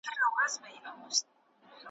د سیتار تارونه پرې دي د رباب لړمون ختلی ,